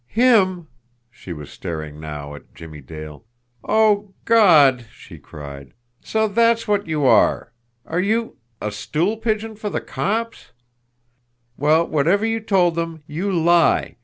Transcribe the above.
"Him!" She was staring now at Jimmie Dale. "Oh, God!" she cried. "So that's what you are, are you a stool pigeon for the cops? Well, whatever you told them, you lie!